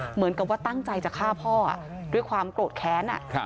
เหมือนกับว่าตั้งใจจะฆ่าพ่อด้วยความโกรธแค้น